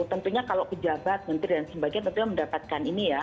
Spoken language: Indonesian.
tentunya kalau pejabat menteri dan sebagainya tentunya mendapatkan ini ya